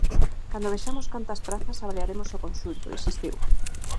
Cando vexamos cantas prazas, avaliaremos o conxunto, insistiu.